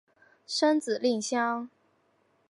生子令香。